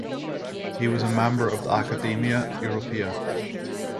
He was a member of the Academia Europaea.